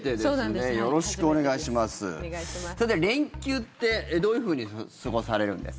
さて、連休ってどういうふうに過ごされるんです？